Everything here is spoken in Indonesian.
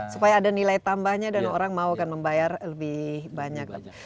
supaya ada nilai tambahnya dan orang mau akan membayar lebih banyak lagi